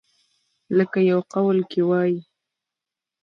لکه يو قول کښې وائي ۔